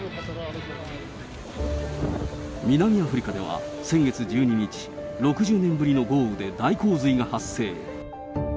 南アフリカでは、先月１２日、６０年ぶりの豪雨で大洪水が発生。